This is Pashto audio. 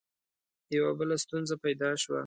یوه بله ستونزه پیدا شوه.